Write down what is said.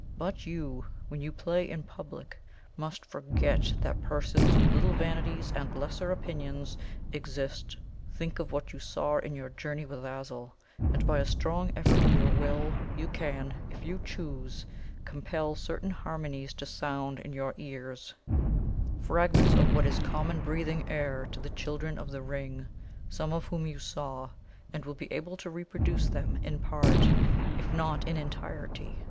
But you, when you play in public, must forget that PERSONS with little vanities and lesser opinions exist. Think of what you saw in your journey with Azul; and by a strong effort of your will, you can, if you choose, COMPEL certain harmonies to sound in your ears fragments of what is common breathing air to the Children of the Ring, some of whom you saw and you will be able to reproduce them in part, if not in entirety.